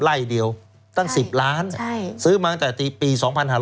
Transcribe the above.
ไล่เดียวตั้ง๑๐ล้านซื้อมาตั้งแต่ปี๒๕๕๘